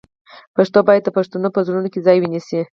پښتو باید بیا د پښتنو په زړونو کې ځای ونیسي.